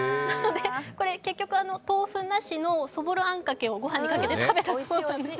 これ、結局、豆腐なしのそぼろあんかけをご飯にかけて食べたそうなんです。